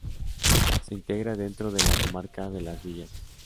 Se integra dentro de la comarca de Las Villas.